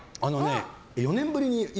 ４年ぶりに。